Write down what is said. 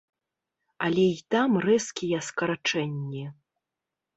Але і там рэзкія скарачэнні.